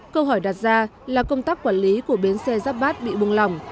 câu hỏi đặt ra là công tác quản lý của biến xe giáp bát bị buông lỏng